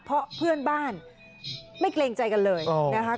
เพราะเพื่อนบ้านไม่เกรงใจกันเลยนะคะ